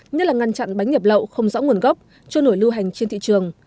như ngăn chặn bánh nhập lậu không rõ nguồn gốc cho nổi lưu hành trên thị trường